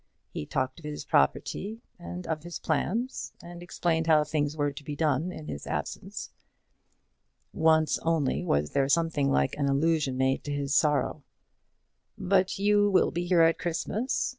He talked of his property and of his plans, and explained how things were to be done in his absence. Once only was there something like an allusion made to his sorrow. "But you will be here at Christmas?"